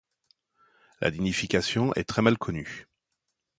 La nidification est très mal connue.